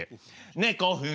ねこふん